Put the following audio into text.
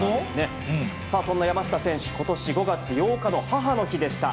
そんな山下選手、ことし５月８日の母の日でした。